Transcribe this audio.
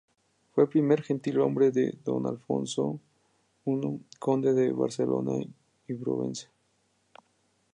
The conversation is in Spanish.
Fue primer gentilhombre de don Alfonso I conde de Barcelona y de Provenza.